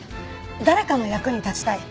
誰かの役に立ちたい。